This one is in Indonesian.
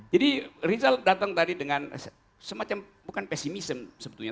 jadi rizal datang tadi dengan semacam bukan pesimism sebetulnya